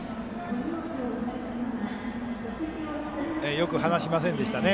よく離しませんでしたね。